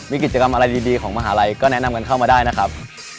มีกิจกรรมอะไรดีของมหาลัยก็แนะนำกันเข้ามาได้นะครับ